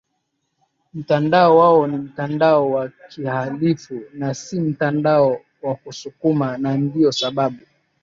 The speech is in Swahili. mtandao wao ni mtandao wa kihalifu na si mtandao wa wasukuma Na ndio sababu